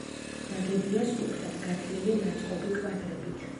ნაგებია სუფთად გათლილი, ნაწყობი კვადრებით.